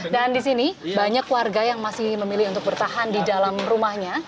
dan di sini banyak warga yang masih memilih untuk bertahan di dalam rumahnya